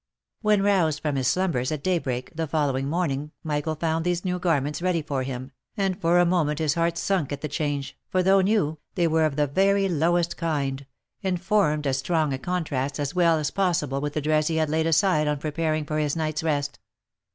When roused from his slumbers at day break the following morn ing, Michael found these new garments ready for him, and for a moment his heart sunk at the change, for though new, they were of the very lowest kind, and formed as strong a contrast as was well possible with the dress he had laid aside on j preparing for his night's rest.